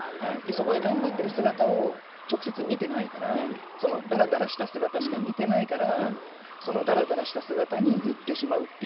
そこで頑張ってる姿を直接見てないからそのダラダラした姿しか見てないからそのダラダラした姿に言ってしまうっていうのは。